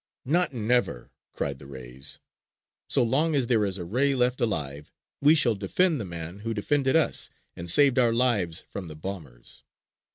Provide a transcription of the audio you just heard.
"Not never!" cried the rays. "So long as there is a ray left alive, we shall defend the man who defended us and saved our lives from the bombers."